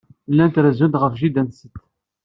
Llant rezzunt ɣef jida-tsent.